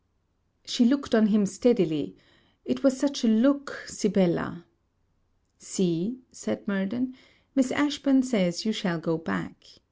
She looked on him steadily it was such a look, Sibella! 'See,' said Murden, 'Miss Ashburn says, you shall go back.